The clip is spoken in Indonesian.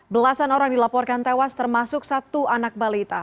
belasan orang dilaporkan tewas termasuk satu anak balita